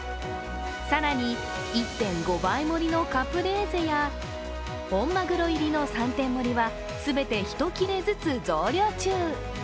更に１．５倍盛りのカプレーゼや本まぐろ入りの３点盛りは全て１切れずつ増量中。